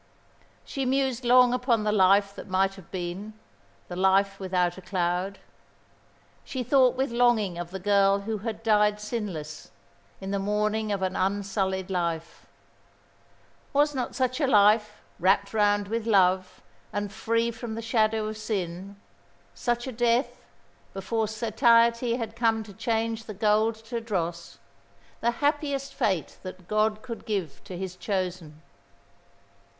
She mused long upon the life that might have been, the life without a cloud. She thought with longing of the girl who had died sinless, in the morning of an unsullied life. Was not such a life, wrapped round with love, and free from the shadow of sin such a death, before satiety had come to change the gold to dross the happiest fate that God could give to His chosen?